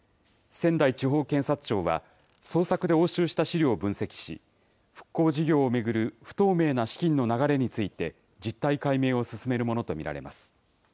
仙台地方検察庁は、捜索で押収した資料を分析し、復興事業を巡る不透明な資金の流れについて、実態解明を進めるものと見られます。